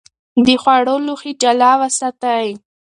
د خوړو لوښي جلا وساتئ.